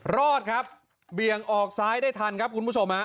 รอดครับเบี่ยงออกซ้ายได้ทันครับคุณผู้ชมฮะ